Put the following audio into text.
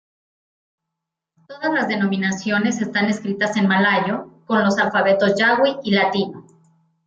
Todas las denominaciones están escritas en malayo, con los alfabetos jawi y latino.